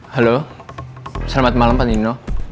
halo selamat malam pak nino